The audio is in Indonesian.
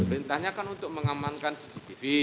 perintahnya kan untuk mengamankan cctv